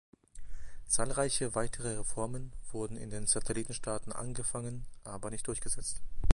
Zahlreiche weitere Reformen wurden in den Satellitenstaaten angefangen, aber nicht durchgesetzt.